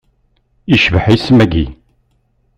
Icbeḥ isem-agi.